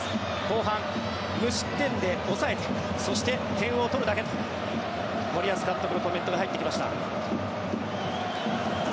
後半、無失点で抑えてそして、点を取るだけと森保監督のコメントが入ってきました。